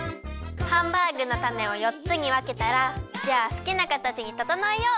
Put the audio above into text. ハンバーグのたねを４つにわけたらじゃあすきなかたちにととのえよう！